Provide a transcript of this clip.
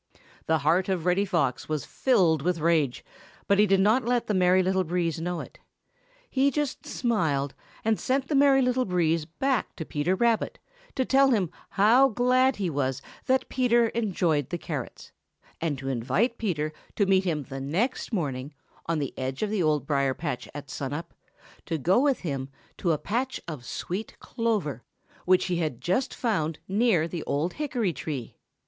The heart of Reddy Fox was filled with rage, but he did not let the Merry Little Breeze know it. He just smiled and sent the Merry Little Breeze back to Peter Rabbit to tell him how glad he was that Peter enjoyed the carrots, and to invite Peter to meet him the next morning on the edge of the Old Briar patch at sun up, to go with him to a patch of sweet clover which he had just found near the old hickory tree.